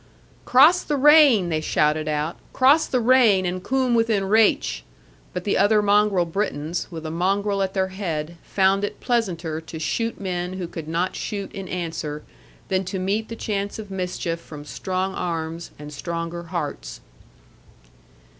'Cross the rhaine,' they shouted out, 'cross the rhaine, and coom within rache:' but the other mongrel Britons, with a mongrel at their head, found it pleasanter to shoot men who could not shoot in answer, than to meet the chance of mischief from strong arms, and stronger hearts.